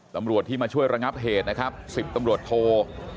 ตำรวจที่มาช่วยระงับเหตุนะครับ๑๐ตำรวจโท